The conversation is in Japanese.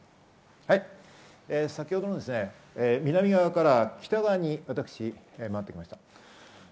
先ほどの南側から北側に私、回ってきました。